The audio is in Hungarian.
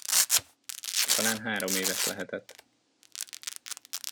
Talán három éves lehetett